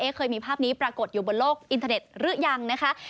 เคยมีภาพนี้ปรากฏอยู่บนโลกอินเทอร์เน็ตหรือยังนะคะ